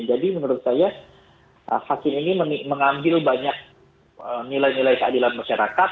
jadi menurut saya hakim ini mengambil banyak nilai nilai keadilan masyarakat